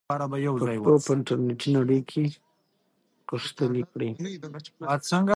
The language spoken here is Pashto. پښتو په انټرنیټي نړۍ کې غښتلې کړئ.